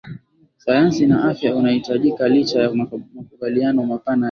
sayansi na afya unahitajikaLicha ya makubaliano mapana ya